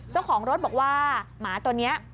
เจ้าของรถบอกว่าหมาตัวนี้